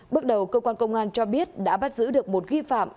bước đầu cơ quan công an cho biết đã bắt giữ được một nghi phạm